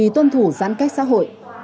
để giãn cách xã hội